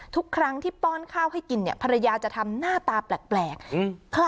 ทุกครั้งที่ป้อนข้าวให้กินเนี่ยภรรยาจะทำหน้าตาแปลกอืม